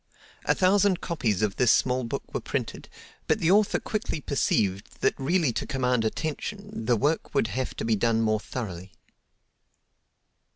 A thousand copies of this small book were printed, but the author quickly perceived that really to command attention, the work would have to be done more thoroughly.